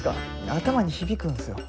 頭に響くんすよ。